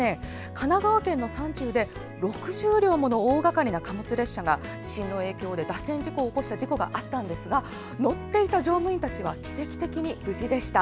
神奈川県の山中で６０両もの大掛かりな貨物列車が地震の影響で脱線事故を起こしたんですが乗っていた乗務員たちは奇跡的に無事でした。